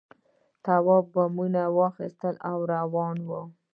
تواب گامونه اخیستل او روان و.